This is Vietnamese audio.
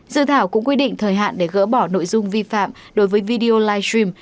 dự thảo cũng quy định thời hạn để gỡ bỏ nội dung vi phạm đối với video live stream